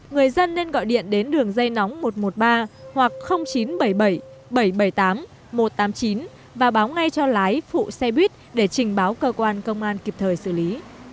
người dân nên gọi điện đến đường dây nóng một trăm một mươi ba hoặc chín trăm bảy mươi bảy bảy trăm bảy mươi tám một trăm tám mươi chín và báo ngay cho lái phụ xe buýt để trình báo cơ quan công an kịp thời xử lý